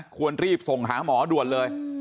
ควรรีบส่งหาหมอด่วนเลย